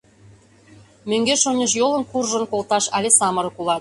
Мӧҥгеш-оньыш йолын куржын колташ але самырык улат.